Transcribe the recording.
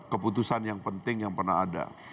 keputusan yang penting yang pernah ada